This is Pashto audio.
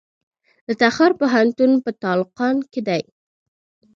د تخار پوهنتون په تالقان کې دی